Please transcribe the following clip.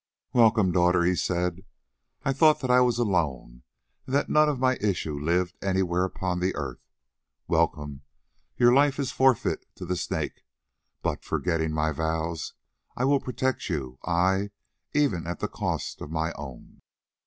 "Welcome, daughter," he said. "I thought that I was alone, and that none of my issue lived anywhere upon the earth. Welcome! Your life is forfeit to the Snake, but, forgetting my vows, I will protect you, ay, even at the cost of my own."